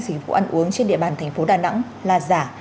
sĩ phụ ăn uống trên địa bàn tp đà nẵng là giả